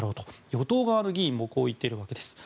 与党側の議員もこう言っているわけです。